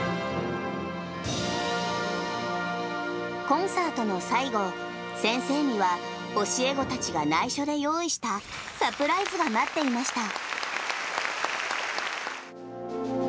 コンサートの最後、先生には教え子たちがないしょで用意したサプライズが待っていました。